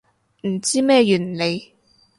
唔知咩原理